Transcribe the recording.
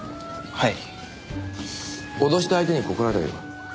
はい。